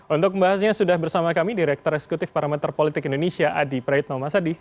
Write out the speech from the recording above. untuk membahasnya sudah bersama kami direktur eksekutif parameter politik indonesia adi praitno masadi